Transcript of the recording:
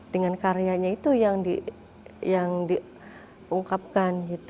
dengan karyanya itu yang diungkapkan